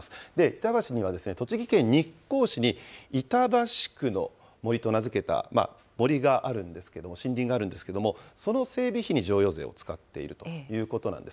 板橋には栃木県日光市に板橋区の森と名付けた森があるんですけれども、森林があるんですけれども、その整備費に譲与税を使っているということなんです。